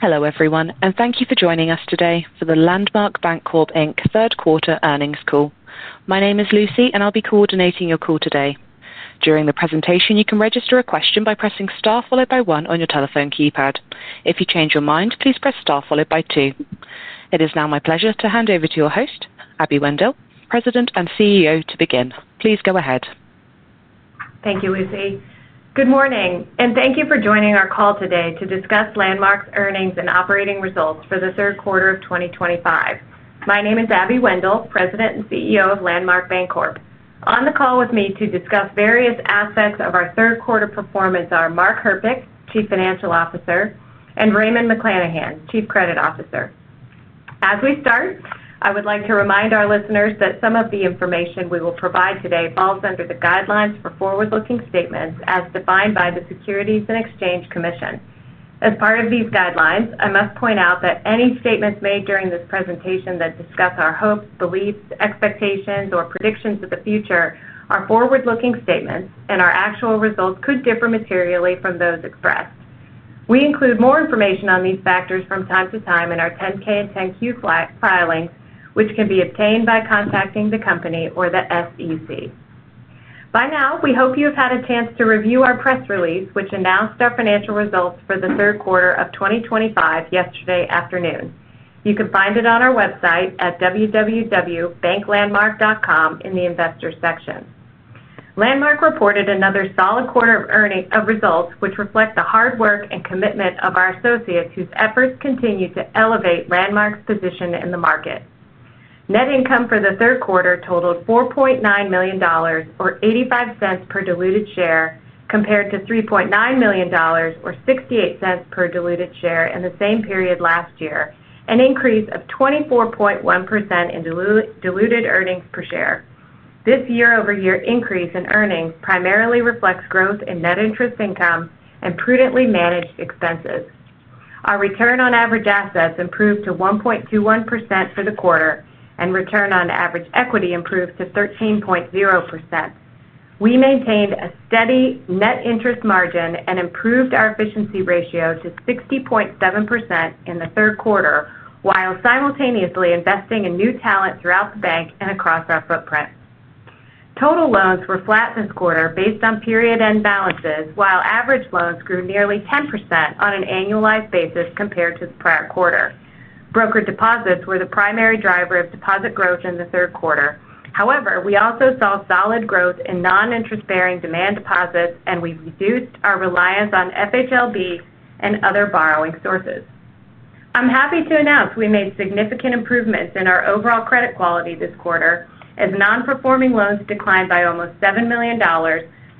Hello everyone and thank you for joining us today for the Landmark Bancorp Inc third quarter earnings call. My name is Lucy and I'll be coordinating your call today. During the presentation, you can register a question by pressing STAR followed by one on your telephone keypad. If you change your mind, please press STAR followed by two. It is now my pleasure to hand over to your host, Abby Wendel, President and CEO to begin. Please go ahead. Thank you, Lucy. Good morning and thank you for joining our call today to discuss Landmark's earnings and operating results for the third quarter of 2025. My name is Abby Wendel, President and CEO of Landmark Bancorp. On the call with me to discuss various aspects of our third quarter performance are Mark Herpich, Chief Financial Officer, and Raymond McClanahan, Chief Credit Officer. As we start, I would like to remind our listeners that some of the information we will provide today falls under the guidelines for forward-looking statements as defined by the Securities and Exchange Commission. As part of these guidelines, I must point out that any statements made during this presentation that discuss our hopes, beliefs, expectations, or predictions of the future are forward-looking statements and our actual results could differ materially from those expressed. We include more information on these factors from time to time in our 10-K and 10-Q filings, which can be obtained by contacting the company or the SEC. By now we hope you have had a chance to review our press release which announced our financial results for the third quarter of 2025 yesterday afternoon. You can find it on our website at www.banklandmark.com in the Investors section. Landmark reported another solid quarter of results which reflect the hard work and commitment of our associates whose efforts continue to elevate Landmark's position in the market. Net income for the third quarter totaled $4.9 million, or $0.85 per diluted share, compared to $3.9 million, or $0.68 per diluted share in the same period last year, an increase of 24.1% in diluted earnings per share this year-over-year. Increase in earnings primarily reflects growth in net interest income and prudently managed expenses. Our return on average assets improved to 1.21% for the quarter and return on average equity improved to 13.0%. We maintained a steady net interest margin and improved our efficiency ratio to 60.7% in the third quarter while simultaneously investing in new talent throughout the bank and across our footprint. Total loans were flat this quarter based on period-end balances, while average loans grew nearly 10% on an annualized basis compared to the prior quarter. Brokered deposits were the primary driver of deposit growth in the third quarter. However, we also saw solid growth in non-interest-bearing demand deposits and we reduced our reliance on FHLB and other borrowing sources. I'm happy to announce we made significant improvements in our overall credit quality this quarter as non-performing loans declined by almost $7 million,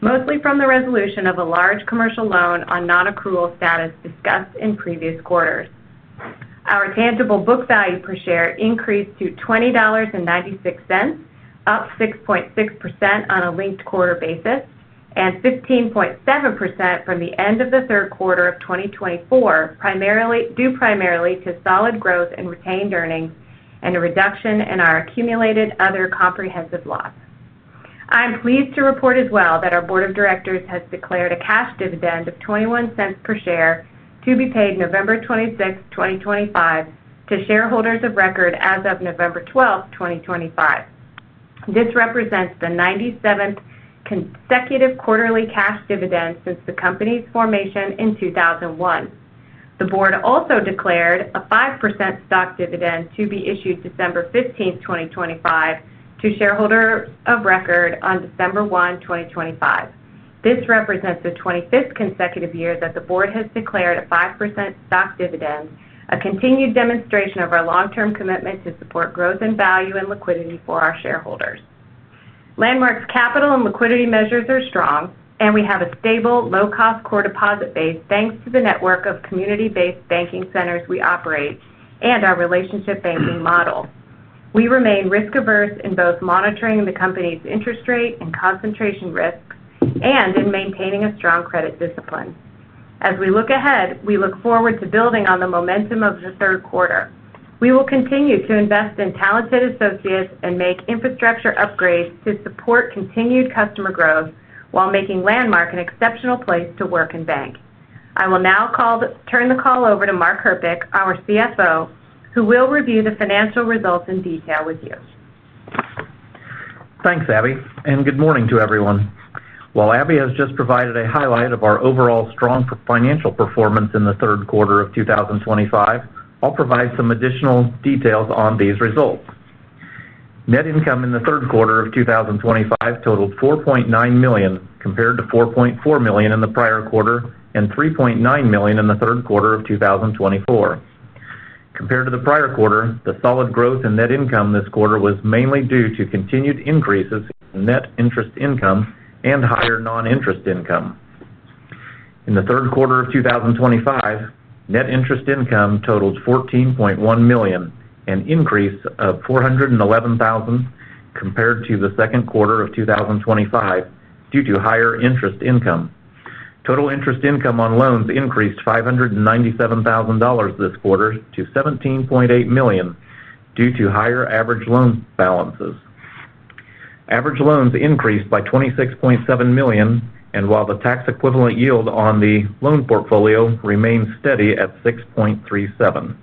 mostly from the resolution of a large commercial real estate loan on non-accrual status discussed in previous quarters. Our tangible book value per share increased to $20.96, up 6.6% on a linked quarter basis and 15.7% from the end of the third quarter of 2024 due primarily to solid growth in retained earnings and a reduction in our accumulated other comprehensive loss. I am pleased to report as well that our Board of Directors has declared a cash dividend of $0.21 per share to be paid November 26, 2025, to shareholders of record as of November 12th, 2025. This represents the 97th consecutive quarterly cash dividend since the company's formation in 2001. The Board also declared a 5% stock dividend to be issued December 15th, 2025, to shareholders of record on December 1, 2025. This represents the 25th consecutive year that the Board has declared a 5% stock dividend, a continued demonstration of our long-term commitment to support growth in value and liquidity for our shareholders. Landmark's capital and liquidity measures are strong and we have a stable, low-cost core deposit base thanks to the network of community-based banking centers we operate and our relationship banking model. We remain risk averse in both monitoring the company's interest rate and concentration risk and in maintaining a strong credit discipline as we look ahead. We look forward to building on the momentum of the third quarter. We will continue to invest in talented associates and make infrastructure upgrades to support continued customer growth while making Landmark an exceptional place to work and bank. I will now turn the call over to Mark Herpich, our CFO, who will review the financial results in detail with you. Thanks Abby and good morning to everyone. While Abby has just provided a highlight of our overall strong financial performance in the third quarter of 2025, I'll provide some additional details on these results. Net income in the third quarter of 2025 totaled $4.9 million compared to $4.4 million in the prior quarter and $3.9 million in the third quarter of 2024 compared to the prior quarter. The solid growth in net income this quarter was mainly due to continued increases in net interest income and higher non-interest income. In the third quarter of 2025, net interest income totaled $14.1 million, an increase of $411,000 compared to the second quarter of 2025 due to higher interest income. Total interest income on loans increased $597,000 this quarter to $17.8 million due to higher average loan balances. Average loans increased by $26.7 million and while the tax equivalent yield on the loan portfolio remained steady at 6.37%,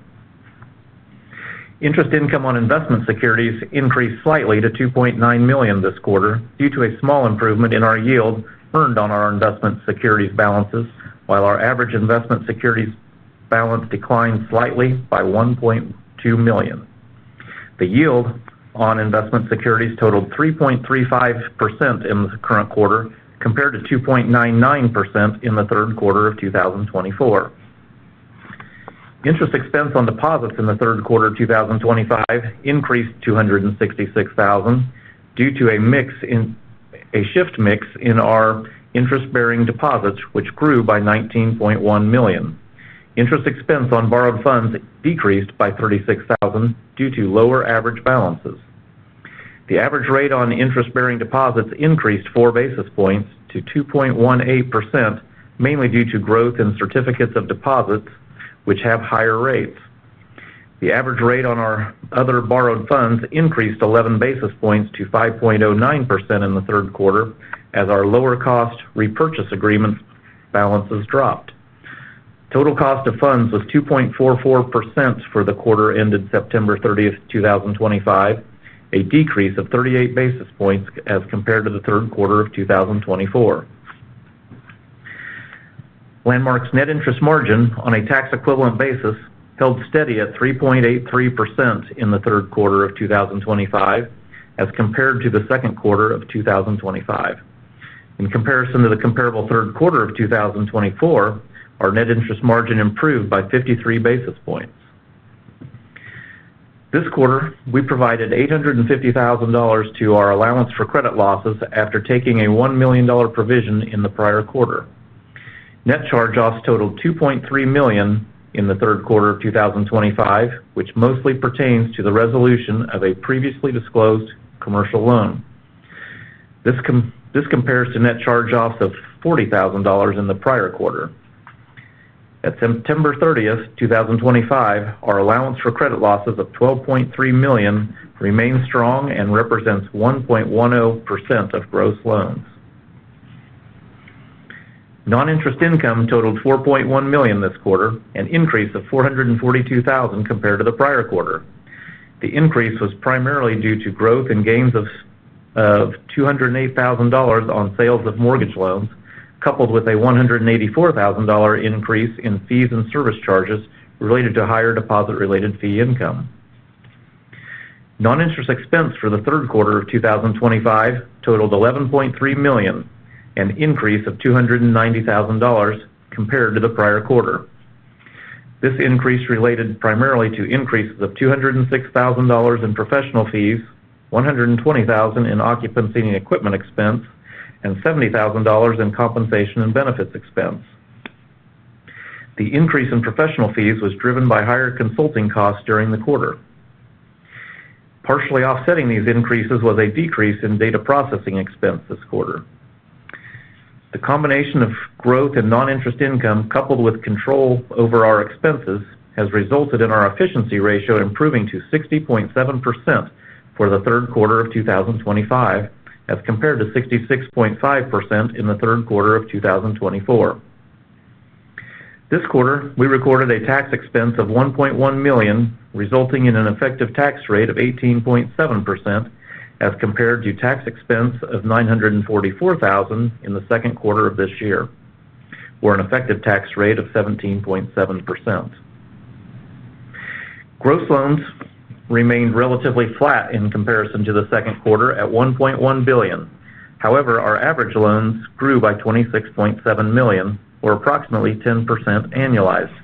interest income on investment securities increased slightly to $2.9 million this quarter due to a small improvement in our yield earned on our investment securities balances. While our average investment securities balance declined slightly by $1.2 million, the yield on investment securities totaled 3.35% in the current quarter compared to 2.99% in the third quarter of 2024. Interest expense on deposits in the third quarter of 2025 increased $266,000 due to a shift in our interest-bearing deposits which grew by $19.1 million. Interest expense on borrowed funds decreased by $36,000 due to lower average balances. The average rate on interest-bearing deposits increased 4 basis points to 2.18% mainly due to growth in certificates of deposits which have higher rates. The average rate on our other borrowed funds increased 11 basis points to 5.09% in the third quarter as our lower cost repurchase agreement balances dropped. Total cost of funds was 2.44% for the quarter ended September 30th, 2025, a decrease of 38 basis points as compared to the third quarter of 2024. Landmark's net interest margin on a tax equivalent basis held steady at 3.83% in the third quarter of 2025 as compared to the second quarter of 2025. In comparison to the comparable third quarter of 2024, our net interest margin improved by 53 basis points this quarter. We provided $850,000 to our allowance for credit losses after taking a $1 million provision in the prior quarter. Net charge-offs totaled $2.3 million in the third quarter of 2025, which mostly pertains to the resolution of a previously disclosed commercial loan. This compares to net charge-offs of $40,000 in the prior quarter. At September 30th, 2025, our allowance for credit losses of $12.3 million remains strong and represents 1.10% of gross loans. Non-interest income totaled $4.1 million this quarter, an increase of $442,000 compared to the prior quarter. The increase was primarily due to growth in gains of $208,000 on sales of mortgage loans coupled with a $184,000 increase in fees and service charges related to higher deposit-related fee income. Non-interest expense for the third quarter of 2025 totaled $11.3 million, an increase of $290,000 compared to the prior quarter. This increase related primarily to increases of $206,000 in professional fees, $120,000 in occupancy and equipment expense, and $70,000 in compensation and benefits expense. The increase in professional fees was driven by higher consulting costs during the quarter. Partially offsetting these increases was a decrease in data processing expense this quarter. The combination of growth in non-interest income coupled with control over our expenses has resulted in our efficiency ratio improving to 60.7% for the third quarter of 2025 as compared to 66.5% in the third quarter of 2024. This quarter we recorded a tax expense of $1.1 million resulting in an effective tax rate of 18.7% as compared to tax expense of $944,000 in the second quarter of this year with an effective tax rate of 17.7%. Gross loans remained relatively flat in comparison to the second quarter at $1.1 billion. However, our average loans grew by $26.7 million or approximately 10% annualized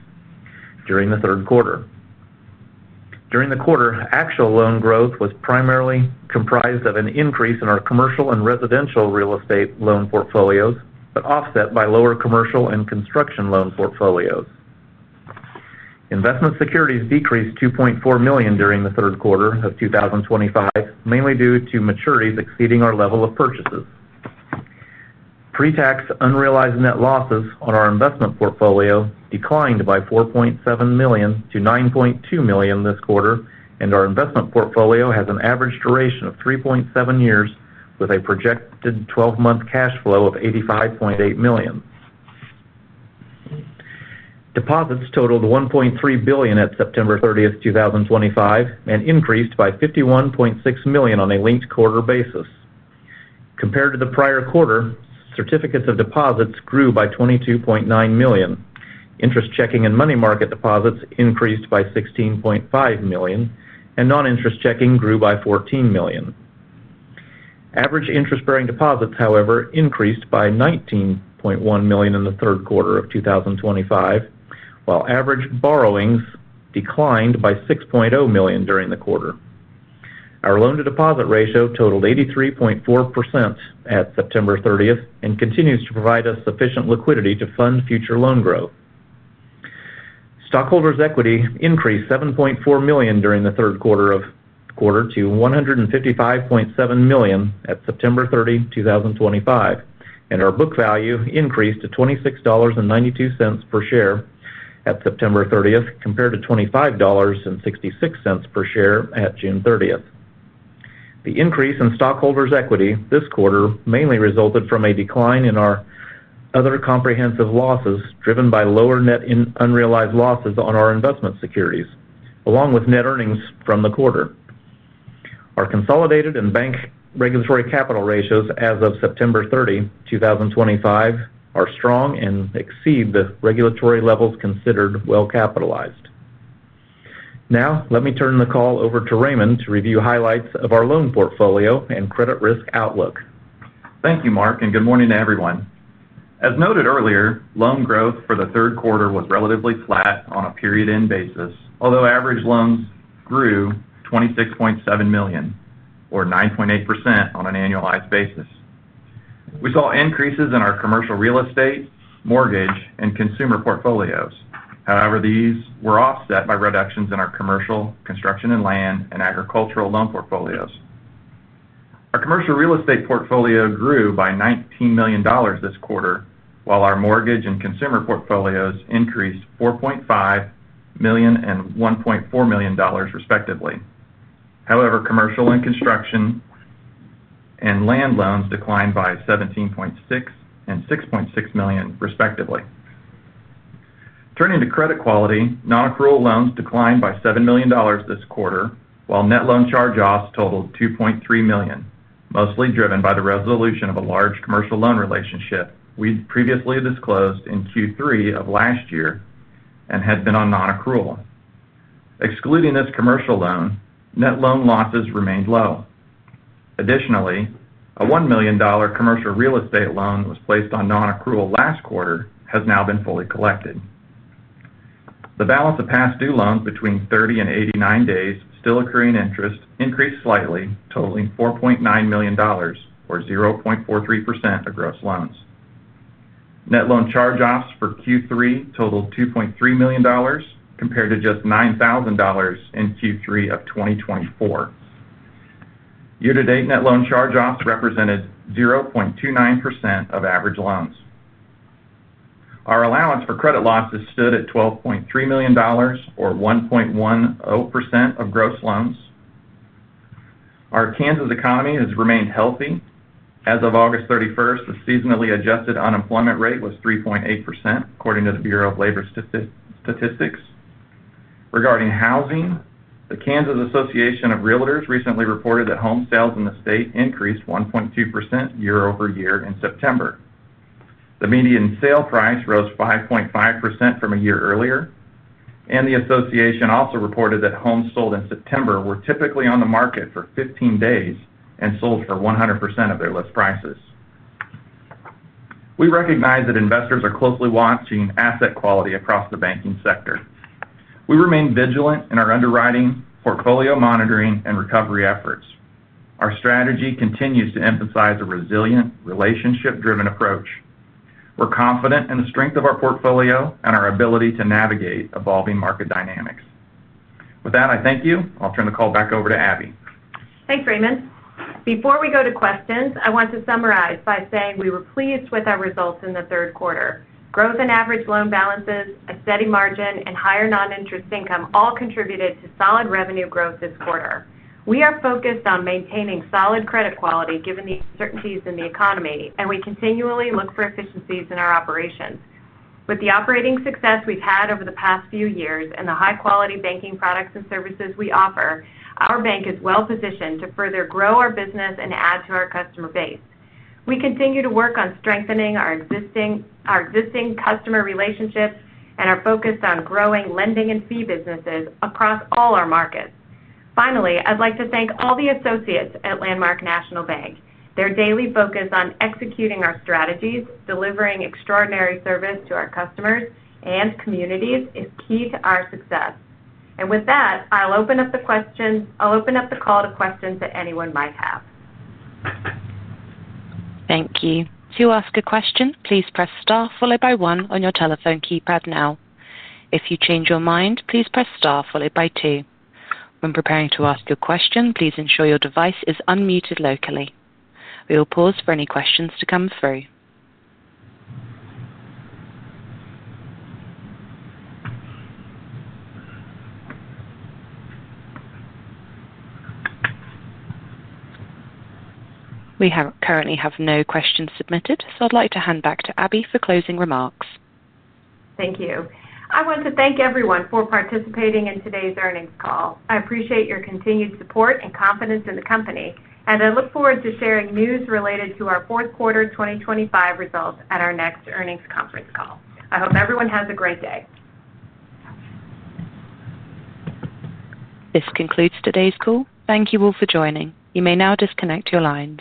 during the third quarter. During the quarter, actual loan growth was primarily comprised of an increase in our commercial and residential real estate loan portfolios but offset by lower commercial and construction loan portfolios. Investment securities decreased $2.4 million during the third quarter of 2025 mainly due to maturities exceeding our level of purchases. Pre-tax unrealized net losses on our investment portfolio declined by $4.7 million to $9.2 million this quarter and our investment portfolio has an average duration of 3.7 years with a projected 12-month cash flow of $85.8 million. Deposits totaled $1.3 billion at September 30th, 2025 and increased by $51.6 million on a linked quarter basis. Compared to the prior quarter, certificates of deposits grew by $22.9 million. Interest checking and money market deposits increased by $16.5 million and non-interest checking grew by $14 million. Average interest-bearing deposits, however, increased by $19.1 million in the third quarter of 2025 while average borrowings declined by $6.0 million during the quarter. Our loan-to-deposit ratio totaled 83.4% at September 30th and continues to provide us sufficient liquidity to fund future loan growth. Stockholders' equity increased $7.4 million during the third quarter to $155.7 million at September 30, 2025, and our book value increased to $26.92 per share at September 30th compared to $25.66 per share at June 30th. The increase in stockholders' equity this quarter mainly resulted from a decline in our other comprehensive losses driven by lower net unrealized losses on our investment securities along with net earnings from the quarter. Our consolidated and bank regulatory capital ratios as of September 30, 2025, are strong and exceed the regulatory levels considered well capitalized. Now let me turn the call over to Raymond to review highlights of our loan portfolio and credit risk outlook. Thank you, Mark, and good morning to everyone. As noted earlier, loan growth for the third quarter was relatively flat on a period-end basis, although average loans grew $26.7 million or 9.8% on an annualized basis, we saw increases in our commercial, real estate, mortgage, and consumer portfolios. However, these were offset by reductions in our commercial, construction and land, and agricultural loan portfolios. Our commercial real estate portfolio grew by $19 million this quarter, while our mortgage and consumer portfolios increased $4.5 million and $1.4 million, respectively. However, commercial and construction and land loans declined by $17.6 million and $6.6 million, respectively. Turning to credit quality, non-accrual loans declined by $7 million this quarter while net loan charge-offs totaled $2.3 million, mostly driven by the resolution of a large commercial loan relationship we previously disclosed in Q3 of last year and had been on non-accrual. Excluding this commercial loan, net loan losses remained low. Additionally, a $1 million commercial real estate loan that was placed on non-accrual last quarter has now been fully collected. The balance of past due loans between 30 and 89 days still accruing interest increased slightly, totaling $4.9 million or 0.43% of gross loans. Net loan charge-offs for Q3 totaled $2.3 million compared to just $9,000 in Q3 of 2024. Year-to-date, net loan charge-offs represented 0.29% of average loans. Our allowance for credit losses stood at $12.3 million, or 1.10% of gross loans. Our Kansas economy has remained healthy. As of August 31st, the seasonally adjusted unemployment rate was 3.8%, according to the Bureau of Labor Statistics. Regarding housing, the Kansas Association of Realtors recently reported that home sales in the state increased 1.2% year-over-year. In September, the median sale price rose 5.5% from a year earlier, and the association also reported that homes sold in September were typically on the market for 15 days and sold for 100% of their list prices. We recognize that investors are closely watching asset quality across the banking sector. We remain vigilant in our underwriting, portfolio monitoring, and recovery efforts. Our strategy continues to emphasize a resilient, relationship-driven approach. We're confident in the strength of our portfolio and our ability to navigate evolving market dynamics. With that, I thank you. I'll turn the call back over to Abby. Thanks, Raymond. Before we go to questions, I want to summarize by saying we were pleased with our results in the third quarter. Growth in average loan balances, a steady margin, and higher non-interest income all contributed to solid revenue growth this quarter. We are focused on maintaining solid credit quality given the uncertainties in the economy, and we continually look for efficiencies in our operations. With the operating success we've had over the past few years and the high-quality banking products and services we offer, our bank is well positioned to further grow our business and add to our customer base. We continue to work on strengthening our existing customer relationships and are focused on growing lending and fee businesses across all our markets. Finally, I'd like to thank all the associates at Landmark National Bank. Their daily focus on executing our strategies, delivering extraordinary service to our customers and communities is key to our success. With that, I'll open up the call to questions that anyone might have. Thank you. To ask a question, please press Star followed by one on your telephone keypad. If you change your mind, please press Star followed by two. When preparing to ask your question, please ensure your device is unmuted locally. We will pause for any questions to come through. We currently have no questions submitted, so I'd like to hand back to Abby for closing remarks. Thank you. I want to thank everyone for participating in today's earnings call. I appreciate your continued support and confidence in the company, and I look forward to sharing news related to our fourth quarter 2025 results at our next earnings conference call. I hope everyone has a great day. This concludes today's call. Thank you all for joining. You may now disconnect your lines.